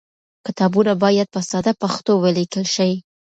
کتابونه باید په ساده پښتو ولیکل شي.